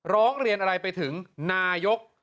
ร้องเรียนอะไรไปถึงดั่งหน้ายก